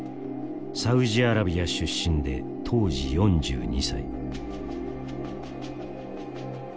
サウジアラビア出身で当時４２歳。